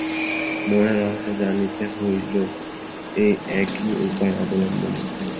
মনের রহস্য জানিতে হইলেও এই একই উপায় অবলম্বনীয়।